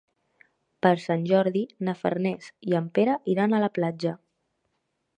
Per Sant Jordi na Farners i en Pere iran a la platja.